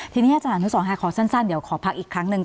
ทีนี้อาจารย์อนุสรค่ะขอสั้นเดี๋ยวขอพักอีกครั้งหนึ่ง